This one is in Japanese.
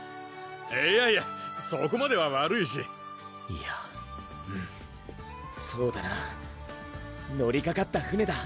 いやいやそこまでは悪いしいやうんそうだな乗りかかった船だ！